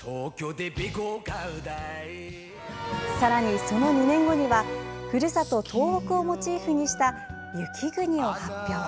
さらに、その２年後にはふるさと東北をモチーフにした「雪國」を発表。